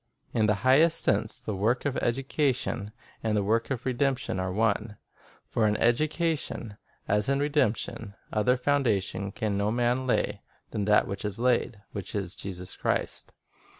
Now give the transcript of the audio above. In the highest sense, the work of education and the work of redemption are one; for in education, as in redemption, "other foundation can no man lay than that is laid, which is Jesus Christ."